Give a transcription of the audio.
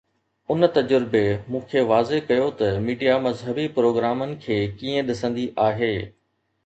ان تجربي مون تي واضح ڪيو ته ميڊيا مذهبي پروگرامن کي ڪيئن ڏسندي آهي.